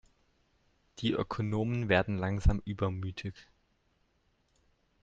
Die Ökonomen werden langsam übermütig.